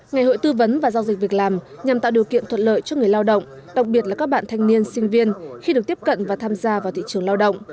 ngày hội tư vấn và giao dịch việc làm nhằm tạo điều kiện thuận lợi cho người lao động đặc biệt là các bạn thanh niên sinh viên khi được tiếp cận và tham gia vào thị trường lao động